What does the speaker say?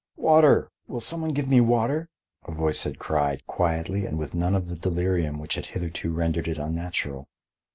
"Water! will some one give me water?" a voice had cried, quietly and with none of the delirium which had hitherto rendered it unnatural.